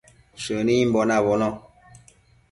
Shënimbo nabono